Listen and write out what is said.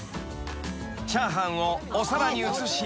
［チャーハンをお皿に移し］